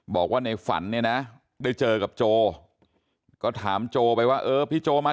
บอกว่าในฝันเนี่ยนะได้เจอกับโจก็ถามโจไปว่าเออพี่โจมา